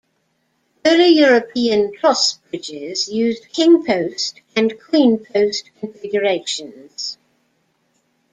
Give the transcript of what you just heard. Early European truss bridges used king post and queen post configurations.